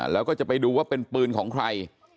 แล้วก็จะไปดูว่าเป็นปืนของใคร